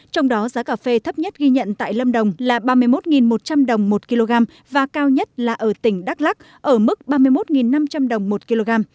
trong đó giá cà phê thấp nhất ghi nhận tại lâm đồng là ba mươi một một trăm linh đồng một kg và cao nhất là ở tỉnh đắk lắc ở mức ba mươi một năm trăm linh đồng một kg